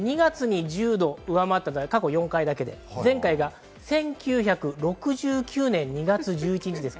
２月に１０度を上回ったのは過去４回だけで、前回が１９６９年２月１１日です。